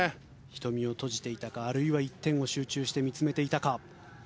瞳を閉じていたかあるいは一点を集中して見つめていたか。